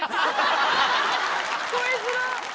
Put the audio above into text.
聞こえづらっ！